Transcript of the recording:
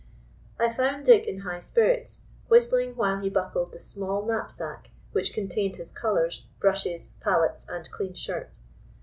I found Dick in high spirits, whistling while he buckled the small knapsack which contained his colours, brushes, pallets, and clean shirt.